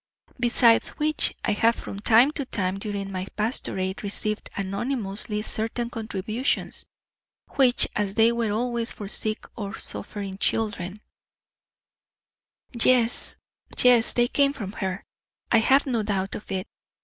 Besides which, I have from time to time during my pastorate received anonymously certain contributions, which, as they were always for sick or suffering children " "Yes, yes; they came from her, I have no doubt of it.